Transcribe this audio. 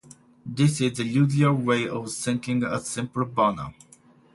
This is the usual way of singing a simple varnam.